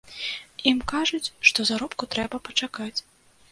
Ім кажуць, што заробку трэба пачакаць.